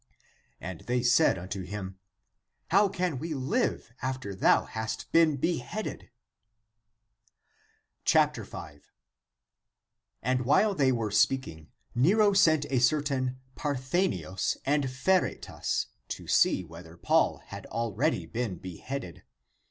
And they said unto him, " How can we live after thou hast been beheaded? " 5. And while they were speaking Nero sent a certain Parthenius and Pheretas to see whether Paul had already been beheaded.